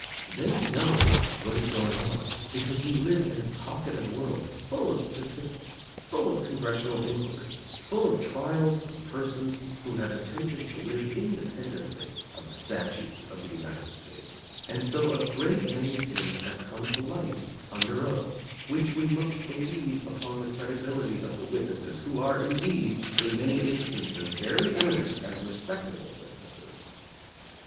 They know what is going on, because we live in a talkative world, full of statistics, full of congressional inquiries, full of trials of persons who have attempted to live independently of the statutes of the United States; and so a great many things have come to light under oath, which we must believe upon the credibility of the witnesses who are, indeed, in many instances very eminent and respectable witnesses.